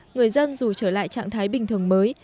người dân dù trở lại trạng thái bình thường mới